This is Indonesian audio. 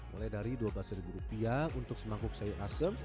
mulai dari dua belas rupiah untuk semangkuk sayur asem